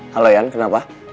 halo yan kenapa